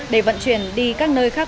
để vận chuyển đi các nơi khác